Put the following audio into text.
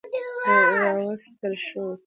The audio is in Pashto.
راوستل شو کوم